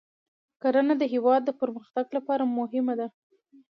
کرنه د هیواد د پرمختګ لپاره مهمه ده.